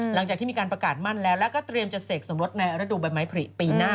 หลังจากที่มีการประกาศมั่นแล้วแล้วก็เตรียมจะเสกสมรสในฤดูใบไม้ผลิปีหน้า